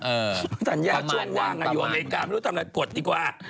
สัญญาช่วงว่างอยู่อเมริกาไม่รู้ทำอะไรกดดีกว่า